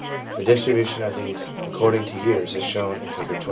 The distribution of these according to years is shown in Figure 12.